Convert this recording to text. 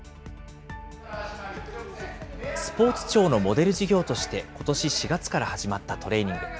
スポーツ庁のモデル事業として、ことし４月から始まったトレーニング。